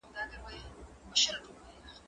زه کتابتون ته تللي دي!.